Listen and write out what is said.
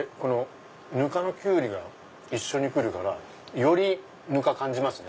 ぬかのきゅうりが一緒にくるからよりぬか感じますね